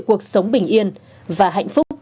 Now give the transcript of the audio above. cuộc sống bình yên và hạnh phúc